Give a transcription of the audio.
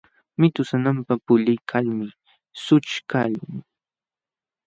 Mitu sananpa puliykalmi sućhkaqlun.